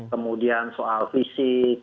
kemudian soal fisik